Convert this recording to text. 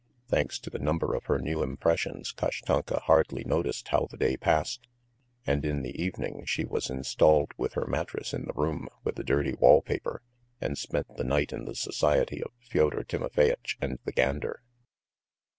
Thanks to the number of her new impressions, Kashranka hardly noticed how the day passed, and in the evening she was installed with her mattress in the room with the dirty wall paper, and spent the night in the society of Fyodor Timofeyitch and the gander.